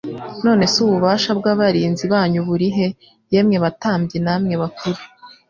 None se ububasha bw'abarinzi banyu burihe, yemwe batambyi namwe bakuru?